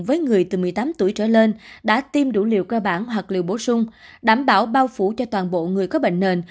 với người từ một mươi tám tuổi trở lên đã tiêm đủ liều cơ bản hoặc liều bổ sung đảm bảo bao phủ cho toàn bộ người có bệnh nền